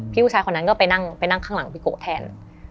พี่ผู้ชายคนนั้นก็ไปนั่งข้างหลังพี่โกแทน